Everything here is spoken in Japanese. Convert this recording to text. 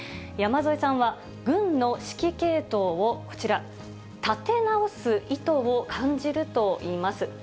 山添さんは、軍の指揮系統をこちら、立て直す意図を感じるといいます。